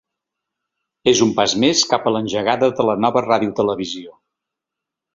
És un pas més cap a l’engegada de la nova radiotelevisió.